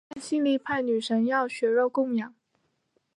但性力派女神要血肉供养。